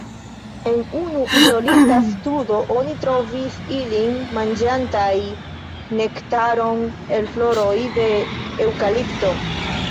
En unu izolita studo oni trovis ilin manĝantaj nektaron el floroj de eŭkalipto.